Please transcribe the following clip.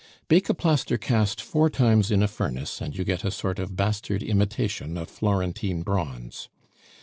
Bake a plaster cast four times in a furnace, and you get a sort of bastard imitation of Florentine bronze.